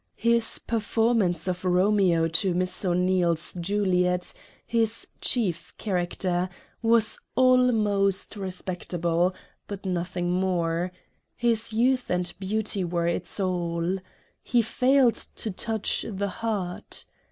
His per formance of Romeo to Miss O'Neil's Juliet, his chief character, was almost respectable, but nothing more ; his youth and beauty were its all. He failed to touch the heart.